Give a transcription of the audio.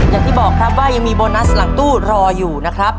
อย่างที่บอกครับว่ายังมีโบนัสหลังตู้รออยู่นะครับ